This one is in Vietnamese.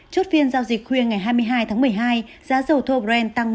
trốt phiên giao dịch khuyên ngày hai mươi hai tháng một mươi hai giá dầu thô brent tăng một tám